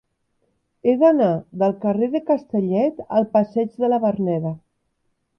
He d'anar del carrer de Castellet al passeig de la Verneda.